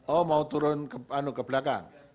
oh mau turun ke belakang